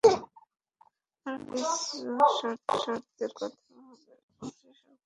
আরও কিছু শর্তের কথা ভাবা হচ্ছে বলে সরকারের নীতিনির্ধারণী সূত্র দাবি করেছে।